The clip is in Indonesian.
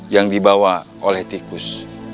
yang dibawa oleh tikus